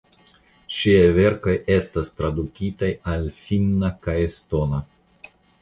Ŝiaj verkoj estas tradukitaj al finna kaj estona.